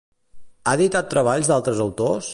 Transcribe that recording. Ha editat treballs d'altres autors?